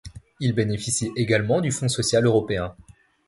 Il bénéficie également du fonds social européen.